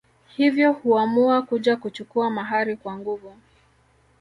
Hivyo huamua kuja kuchukua mahari kwa nguvu